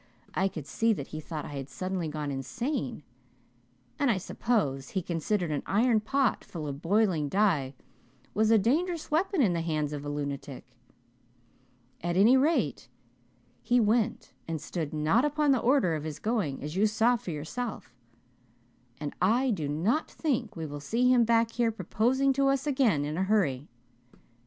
I could see that he thought I had suddenly gone insane, and I suppose he considered an iron pot full of boiling dye was a dangerous weapon in the hands of a lunatic. At any rate he went, and stood not upon the order of his going, as you saw for yourself. And I do not think we will see him back here proposing to us again in a hurry.